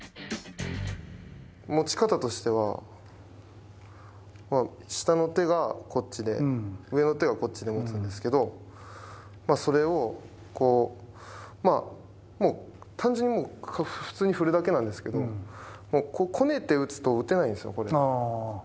持ち方としては、下の手がこっちで、上の手がこっちで持つんですけれども、それをこう、もう単純に普通に振るだけなんですけれども、こねて打つと打てないんですよ、これ。